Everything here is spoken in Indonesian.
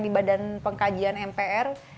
di badan pengkajian mpr